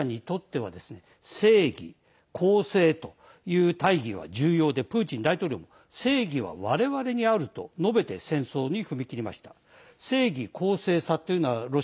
ロシアにとっては正義、公正という大義が重要でプーチン大統領は正義は我々にあると述べて戦争に踏み切りました。